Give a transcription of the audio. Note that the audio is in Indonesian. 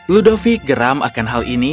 ludovi geram akan hal ini